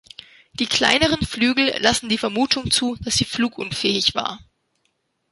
Die kleineren Flügel lassen die Vermutung zu, dass sie flugunfähig war.